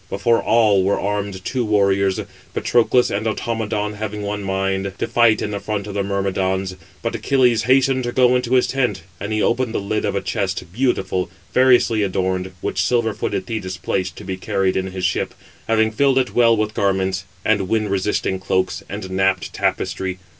Before all were armed two warriors. Patroclus and Automedon, having one mind, to fight in the front of the Myrmidons. But Achilles hastened to go into his tent; and he opened the lid of a chest, beautiful, variously adorned, which silver footed Thetis placed, to be carried in his ship, having filled it well with garments, and wind resisting cloaks, and napped tapestry.